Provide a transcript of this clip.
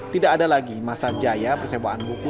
tidak ada lagi masa jaya persebaan buku